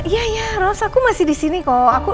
iya iya ros aku masih di sini kok